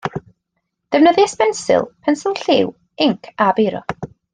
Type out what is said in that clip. Defnyddiais bensil, pensil lliw, inc a beiro